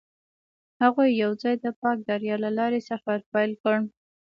هغوی یوځای د پاک دریا له لارې سفر پیل کړ.